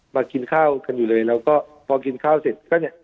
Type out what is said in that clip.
มากินข้าวกันอยู่เลยแล้วก็พอกินข้าวเสร็จก็เนี่ย